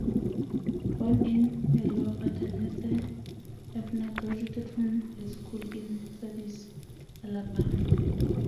Born in Elora, Tennessee, Hefner graduated from high school in Sardis, Alabama.